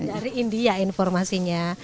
dari india informasinya